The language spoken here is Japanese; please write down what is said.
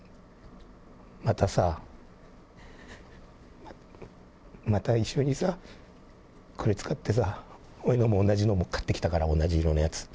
またさ、また一緒にさ、これ使ってさ、俺のも同じのを買ってきたから、同じ色のやつ。